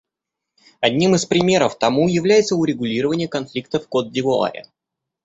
Одним из примеров тому является урегулирование конфликта в Котд'Ивуаре.